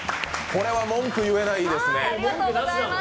これは文句言えないですね。